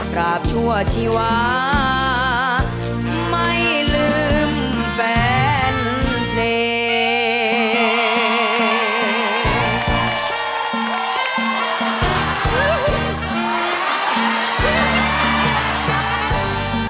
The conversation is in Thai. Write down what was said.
ชั่วชีวาไม่ลืมแฟนเพลง